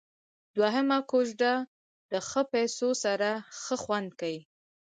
دوهمه کوزده د ښو پيسو سره ښه خوند کيي.